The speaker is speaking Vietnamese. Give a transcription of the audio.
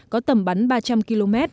có tầm bắn ba trăm linh km